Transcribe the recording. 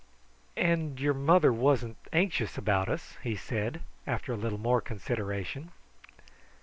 "And your mother wasn't anxious about you," he said, after a little more consideration.